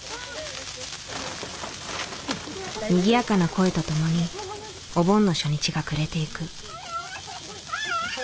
にぎやかな声と共にお盆の初日が暮れていく。